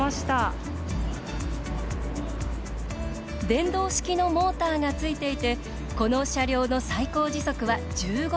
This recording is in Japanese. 電動式のモーターがついていてこの車両の最高時速は１５ｋｍ。